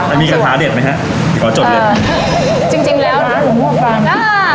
จะมีกรรทาเด็ดไหมคะขอจดเลย